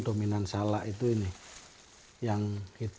dominan salah itu ini yang hitam ini hitam coklat